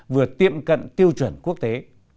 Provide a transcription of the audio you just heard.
vừa tiệm cận tiêu chuẩn quốc tế